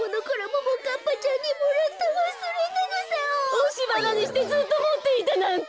おしばなにしてずっともっていたなんて！